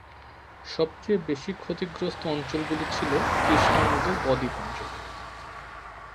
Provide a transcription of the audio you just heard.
সবচেয়ে বেশি ক্ষতিগ্রস্ত অঞ্চলগুলি ছিল কৃষ্ণা নদীর বদ্বীপ অঞ্চলে।